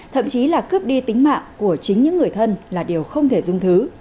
thậm chí là cướp đi tính mạng của chính những người thân là điều không thể dung thứ